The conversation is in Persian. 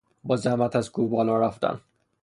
با زحمت از کوه بالا رفتن